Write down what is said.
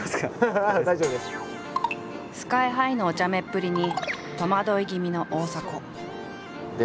ＳＫＹ−ＨＩのお茶目っぷりに戸惑い気味の大迫。